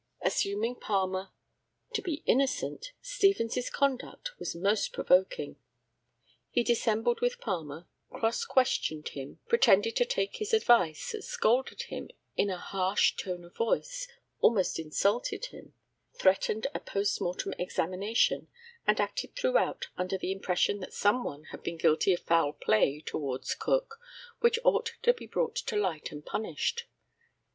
Assuming Palmer to be innocent, Stevens' conduct was most provoking. He dissembled with Palmer, cross questioned him, pretended to take his advice, scolded him in a harsh tone of voice, almost insulted him, threatened a post mortem examination, and acted throughout under the impression that some one had been guilty of foul play towards Cook, which ought to be brought to light and punished.